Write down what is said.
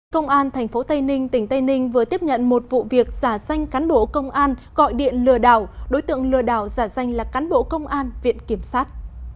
công an tp tây ninh tỉnh tây ninh vừa tiếp nhận một vụ việc giả danh cán bộ công an gọi điện lừa đảo đối tượng lừa đảo giả danh là cán bộ công an viện kiểm sát